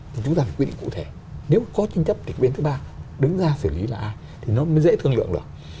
thì chúng ta phải quy định cụ thể nếu có tranh chấp thì bên thứ ba đứng ra xử lý là ai thì nó mới dễ thương lượng được